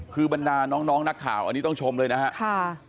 คือบรรดาน้องนักข่าวอันนี้ต้องชมเลยนะครับ